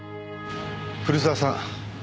古澤さん。